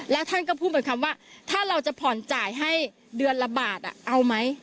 แล้วท่านก็พูดไปคำว่าถ้าเราจะผ่อนจ่ายให้เดือนละบาทเอาไหม